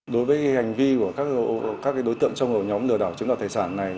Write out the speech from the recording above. đối với hành vi của các đối tượng trong nhóm lừa đảo chứng đoạn thầy sản này